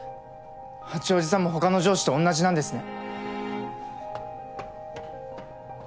八王子さんも他の上司と同じなんですね。